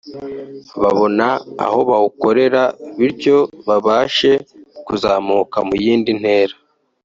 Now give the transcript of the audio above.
babona aho bawukorera bityo babashe kuzamuka mu yindi ntera